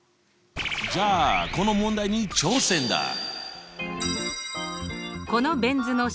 じゃあこの問題に挑戦だ！